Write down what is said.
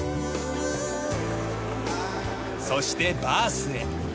そしてバースへ。